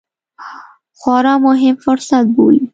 خورا مهم فرصت بولي